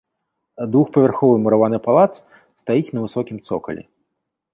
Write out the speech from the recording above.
Двухпавярховы мураваны палац стаіць на высокім цокалі.